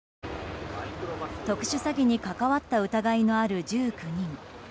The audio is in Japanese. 特殊詐欺に関わった疑いのある１９人。